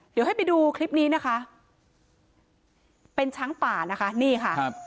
เดี๋ยวให้ไปดูคลิปนี้นะคะเป็นช้างป่านะคะนี่ค่ะครับ